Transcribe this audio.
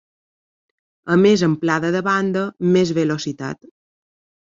A més amplada de banda, més velocitat.